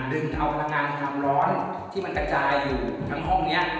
ดึงเอาพลังงานความร้อนที่มันกระจายอยู่ทั้งห้องนี้